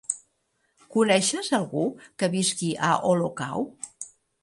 Coneixes algú que visqui a Olocau?